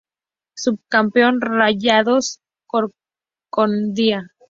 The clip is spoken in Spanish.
Subcampeón: Rayados Concordia.